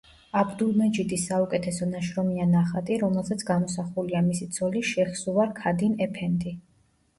აბდულმეჯიდის საუკეთესო ნაშრომია ნახატი, რომელზეც გამოსახულია მისი ცოლი შეჰსუვარ ქადინ ეფენდი.